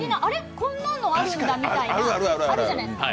こんなのあるんだみたいなのあるじゃないですか。